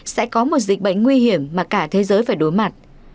sẽ có một dịch bệnh nguy hiểm mà cả thế giới phải đối mặt